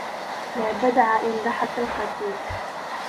لا بدع إن ضحك القتير